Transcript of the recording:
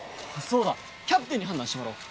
そうだキャプテンに判断してもらおう。